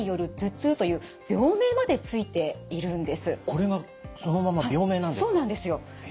これがそのまま病名なんですか。